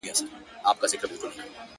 په وير اخته به زه د ځان ســم گـــرانــــــي.